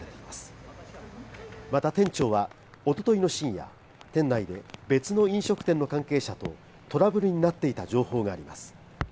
また店長は一昨日の深夜、店内で別の飲食店の関係者とトラブルになっていた情報があります。